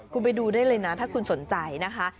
คุณไปดูได้เลยนะถ้าคุณสนใจนะคะ